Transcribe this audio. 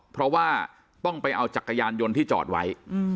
เพราะว่าต้องไปเอาจักรยานยนต์ที่จอดไว้